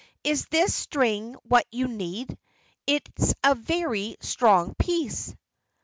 "Is this string what you need? It's a very strong piece."